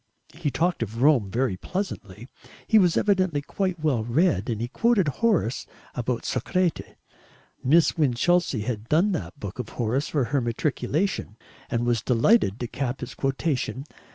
He talked of Rome very pleasantly; he was evidently quite well read, and he quoted Horace about Soracte. Miss Winchelsea had "done" that book of Horace for her matriculation, and was delighted to cap his quotation.